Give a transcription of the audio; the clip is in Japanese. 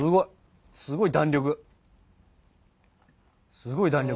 すごい弾力。